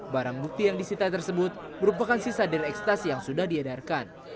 barang bukti yang disita tersebut merupakan sisa dari ekstasi yang sudah diedarkan